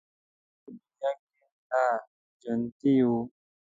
دوی ویل چې په دنیا کې لا جنتیی وو.